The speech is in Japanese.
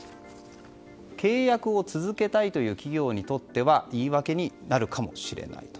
契約を続けたいという企業にとっては言い訳になるかもしれないと。